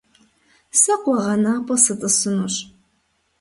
Сэ къуэгъэнапӏэ сытӏысынущ.